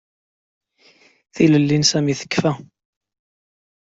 Tilelli n Sami tekfa.